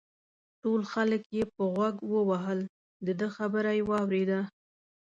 ټول خلک یې په غوږ ووهل دده خبره یې واورېده.